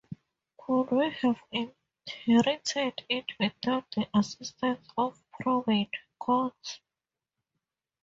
Could we have inherited it without the assistance of probate courts?